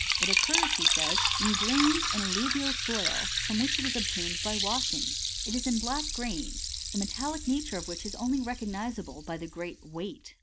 It occurs, he says, in grains in alluvial soil, from which it is obtained by washing. It is in black grains, the metallic nature of which is only re cognisable by the great weight.